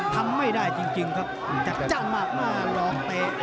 ทำไม่ได้จริงครับจัดจ้านมากลองเตะ